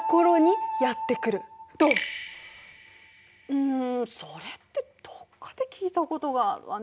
うんそれってどっかで聞いたことがあるわね。